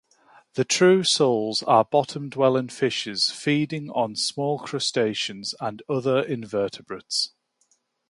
The true soles are bottom-dwelling fishes feeding on small crustaceans and other invertebrates.